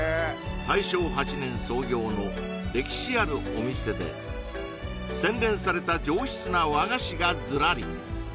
大正８年創業の歴史あるお店で洗練された上質な和菓子がズラリ